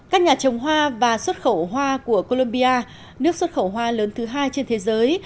các nhà trồng hoa và xuất khẩu hoa của colombia nước xuất khẩu hoa lớn thứ hai trên thế giới